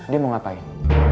dia mau ngapain